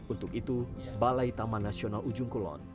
untuk itu balai taman nasional ujung kulon